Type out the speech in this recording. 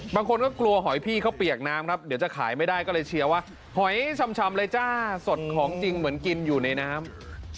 บางคนก็กลัวหอยพี่เขาเปียกน้ำครับเดี๋ยวจะขายไม่ได้ก็เลยเชียร์ว่าหอยชำเลยจ้าสดของจริงเหมือนกินอยู่ในน้ำ